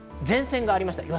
前線、低気圧があります。